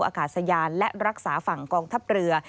อากาศยานและรักษาฝั่งกองทัพเรือ